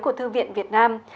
của thư viện việt nam